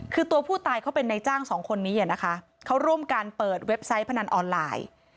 คือตัวผู้ตายเขาเป็นนายจ้างสองคนนี้นะคะเขาร่วมกันเปิดเว็บไซต์พนันออนไลน์